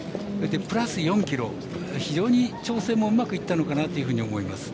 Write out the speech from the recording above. プラス４ｋｇ、非常に調整もうまくいったのかなと思います。